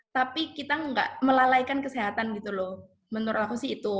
tapi kita tidak melalaikan kesehatan menurut saya itu